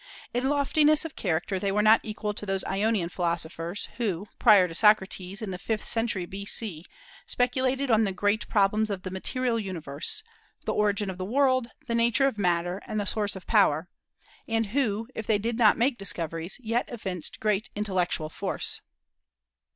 In loftiness of character they were not equal to those Ionian philosophers, who, prior to Socrates, in the fifth century B.C., speculated on the great problems of the material universe, the origin of the world, the nature of matter, and the source of power, and who, if they did not make discoveries, yet evinced great intellectual force.